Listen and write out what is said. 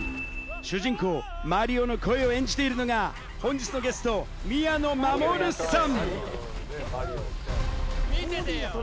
主人公・マリオの声を演じているのが本日のゲスト・宮野真守さん。